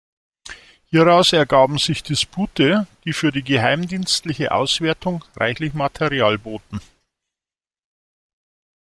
Hieraus ergaben sich Dispute, die für die geheimdienstliche Auswertung reichlich Material boten.